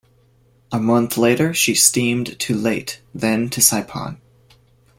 A month later she steamed to Leyte, then to Saipan.